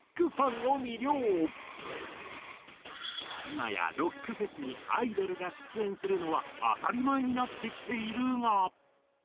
今やロックフェスにアイドルが出演するのは当たり前になってきているが。